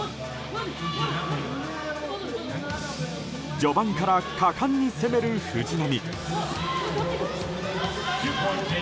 序盤から果敢に攻める藤波。